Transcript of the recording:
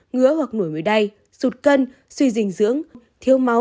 ngứa hoặc nổi đay sụt cân suy dinh dưỡng thiếu máu